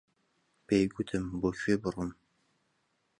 پێی گوتم بۆ کوێ بڕۆم.